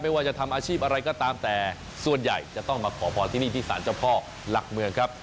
ว่าจะทำอาชีพอะไรก็ตามแต่ส่วนใหญ่จะต้องมาขอพรที่นี่ที่สารเจ้าพ่อหลักเมืองครับ